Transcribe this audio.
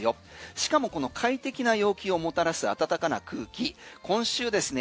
しかもこの快適な陽気をもたらす暖かな空気今週ですね